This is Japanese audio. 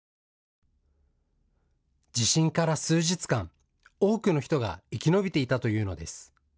地震から数日間、多くの人が生き延びていたというのです。